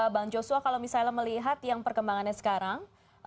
bang joshua kalau misalnya melihat yang perkembangannya sekarang